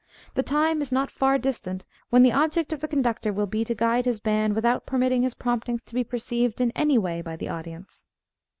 The time is not far distant when the object of the conductor will be to guide his band without permitting his promptings to be perceived in any way by the audience.